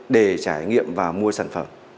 để trải nghiệm và mua sản phẩm